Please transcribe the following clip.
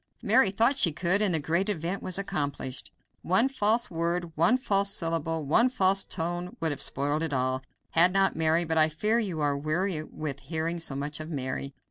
Mary thought she could, ... and the great event was accomplished. One false word, one false syllable, one false tone would have spoiled it all, had not Mary but I fear you are weary with hearing so much of Mary.